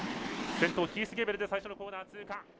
先頭キース・ゲーベルで最初のコーナー通過。